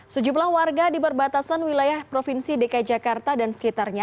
sejumlah warga di perbatasan wilayah provinsi dki jakarta dan sekitarnya